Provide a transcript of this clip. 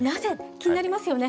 気になりますよね。